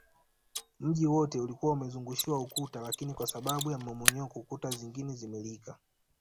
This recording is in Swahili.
Mji wote ulikuwa umezungushiwa ukuta lakini kwa sababu ya mmomonyoko kuta zingine zimelika